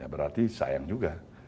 berarti sayang juga